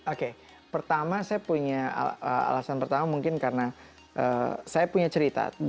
oke pertama saya punya alasan pertama mungkin karena saya punya cerita